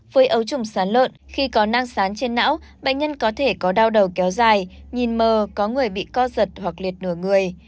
với ấu trùng sán lợn khi có năng sán trên não bệnh nhân có thể có đau đầu kéo dài nhìn mờ có người bị co giật hoặc liệt nửa người